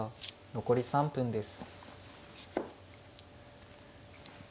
残り３分です。